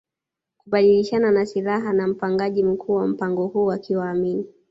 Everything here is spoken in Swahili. kubadilishana na silaha na mpangaji mkuu wa mpango huu akiwa Amin